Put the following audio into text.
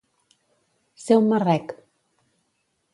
Ser un marrec.